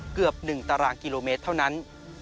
เกือบ๑ตารางกิโลเมตรเท่านั้น